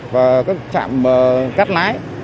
và các trạm cát lái